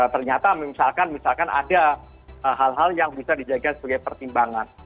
ternyata misalkan ada hal hal yang bisa dijaga sebagai pertimbangan